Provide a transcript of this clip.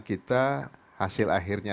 kita hasil akhirnya